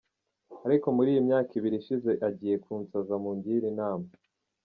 ariko muri iyi myaka ibiri ishize agiye kunsaza mungire inama .